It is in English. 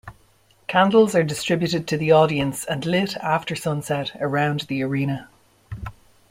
Candles are distributed to the audience and lit after sunset around the arena.